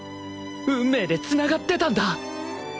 運命で繋がってたんだ！